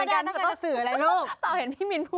อ๋อหรือเดี๋ยว